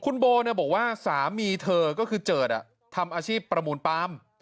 คุณโบบอกว่าสามีเธอก็คือเจิดทำอาชีพประมูลปาล์ม